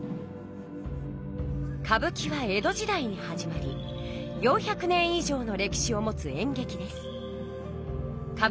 歌舞伎は江戸時代にはじまり４００年いじょうのれきしをもつ演劇です。